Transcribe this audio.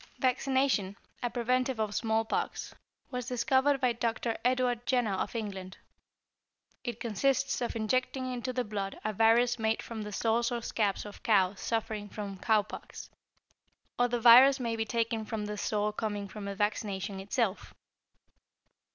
= Vaccination, a preventive of smallpox, was discovered by Dr. Edward Jenner of England. It consists of injecting into the blood a virus made from the sores or scabs of cows suffering from cowpox, or the virus may be taken from the sore coming from vaccination itself.